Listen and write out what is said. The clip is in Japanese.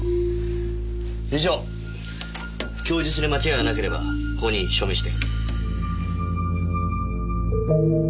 以上供述に間違いがなければここに署名して。